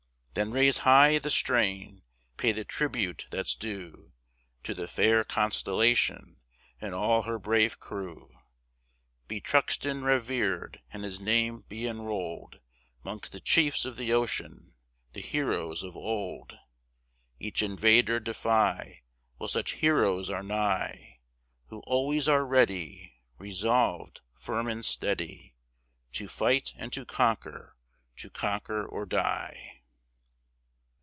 Then raise high the strain, pay the tribute that's due To the fair Constellation, and all her brave Crew; Be Truxton revered, and his name be enrolled, 'Mongst the chiefs of the ocean, the heroes of old. Each invader defy, While such heroes are nigh, Who always are ready, Resolved, firm, and steady To fight, and to conquer, to conquer or die.